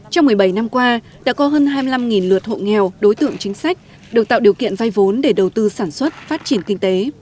trong một mươi bảy năm qua đã có hơn hai mươi năm lượt hộ nghèo đối tượng chính sách được tạo điều kiện vay vốn để đầu tư sản xuất phát triển kinh tế